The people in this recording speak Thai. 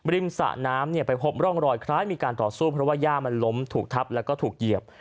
สระน้ำเนี่ยไปพบร่องรอยคล้ายมีการต่อสู้เพราะว่าย่ามันล้มถูกทับแล้วก็ถูกเหยียบ